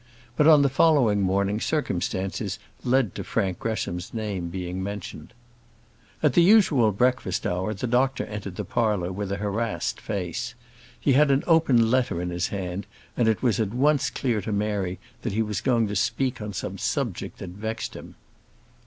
But on the following morning circumstances led to Frank Gresham's name being mentioned. At the usual breakfast hour the doctor entered the parlour with a harassed face. He had an open letter in his hand, and it was at once clear to Mary that he was going to speak on some subject that vexed him.